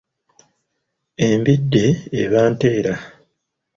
Embidde eba nteera.